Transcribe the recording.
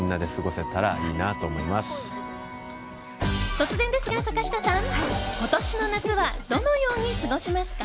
突然ですが、坂下さん今年の夏はどのように過ごしますか？